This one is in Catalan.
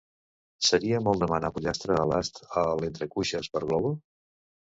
Seria molt demanar pollastre a l'ast a l'Entrecuixes per Glovo?